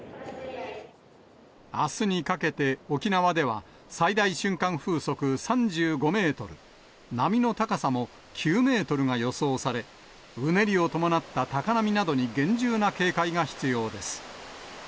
あすにかけて、沖縄では、最大瞬間風速３５メートル、波の高さも９メートルが予想され、うねりを伴った高波などに厳重な警戒が必要です。